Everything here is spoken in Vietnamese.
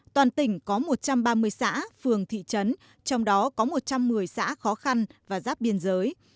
toàn tỉnh có một trăm ba mươi xã phường thị trấn trong đó có một trăm một mươi xã khó khăn và giáp biên giới